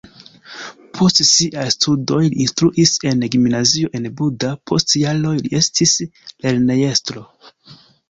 Post siaj studoj li instruis en gimnazio en Buda, post jaroj li estis lernejestro.